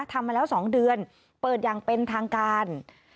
ทำมาแล้ว๒เดือนเปิดอย่างเป็นทางการ